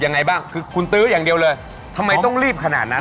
ยังไงบ้างคือคุณตื้ออย่างเดียวเลยทำไมต้องรีบขนาดนั้น